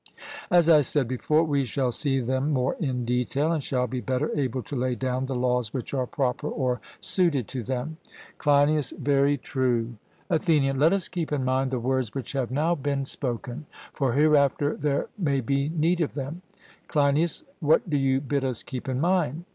As I said before, we shall see them more in detail, and shall be better able to lay down the laws which are proper or suited to them. CLEINIAS: Very true. ATHENIAN: Let us keep in mind the words which have now been spoken; for hereafter there may be need of them. CLEINIAS: What do you bid us keep in mind?